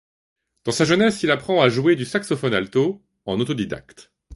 Dans sa jeunesse il apprend à jouer du saxophone alto en autodidacte.